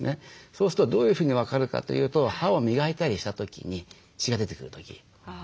そうするとどういうふうに分かるかというと歯を磨いたりした時に血が出てくる時。